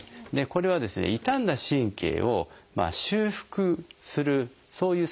これはですね傷んだ神経を修復するそういう作用がありますね。